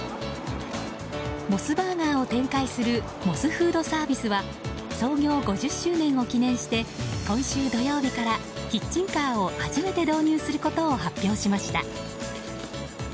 モスバーガーを展開するモスフードサービスは創業５０周年を記念して今週土曜日からキッチンカーを初めて導入することを発表しました。